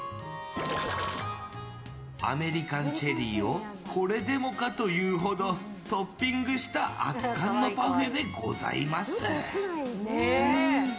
アメリカンチェリーをこれでもかというほどトッピングした圧巻のパフェでございます。